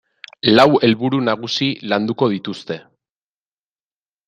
Lau helburu nagusi landuko dituzte.